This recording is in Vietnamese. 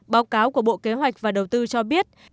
báo cáo của bộ kế hoạch và đầu tư cho biết